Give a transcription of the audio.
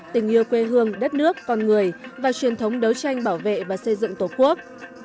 tình yêu quê hương đất nước con người và truyền thống đấu tranh bảo vệ và xây dựng tổ quốc